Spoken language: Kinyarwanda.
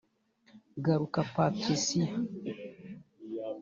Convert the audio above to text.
Garuka Patricia